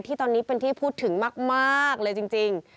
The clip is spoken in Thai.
ที่ตอนนี้เป็นที่พูดถึงมากเลยจริง